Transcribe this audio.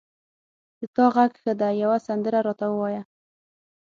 د تا غږ ښه ده یوه سندره را ته ووایه